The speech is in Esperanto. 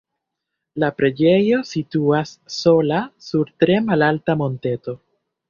La preĝejo situas sola sur tre malalta monteto.